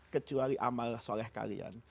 kecuali amal soleh kalian